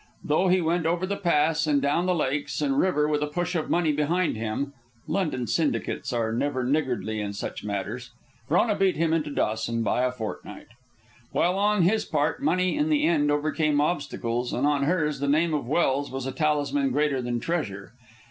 Though he went over the Pass and down the lakes and river with a push of money behind him (London syndicates are never niggardly in such matters). Frona beat him into Dawson by a fortnight. While on his part money in the end overcame obstacles, on hers the name of Welse was a talisman greater than treasure.